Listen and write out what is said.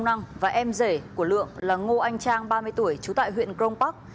phạm trọng và em rể của lượng là ngô anh trang ba mươi tuổi trú tại huyện cron park